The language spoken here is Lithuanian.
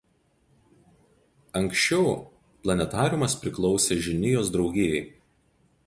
Anksčiau planetariumas priklausė „Žinijos“ draugijai.